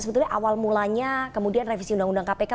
sebetulnya awal mulanya kemudian revisi undang undang kpk